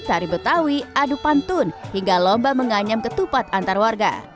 tari betawi adu pantun hingga lomba menganyam ketupat antar warga